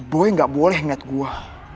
boy gak boleh ngeliat gue